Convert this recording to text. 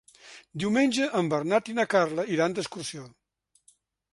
Diumenge en Bernat i na Carla iran d'excursió.